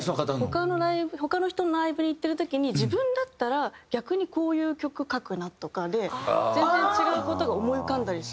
他のライブ他の人のライブに行ってる時に自分だったら逆にこういう曲書くなとかで全然違う事が思い浮かんだりするので。